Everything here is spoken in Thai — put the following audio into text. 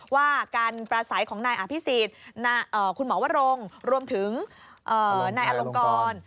ว่าการประสัยของนายอภิษฎคุณหมอวรงรวมถึงนายอลงกร